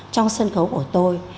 trong sân khấu của tôi